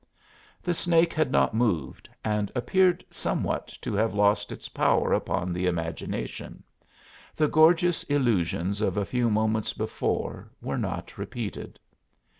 The snake had not moved and appeared somewhat to have lost its power upon the imagination; the gorgeous illusions of a few moments before were not repeated.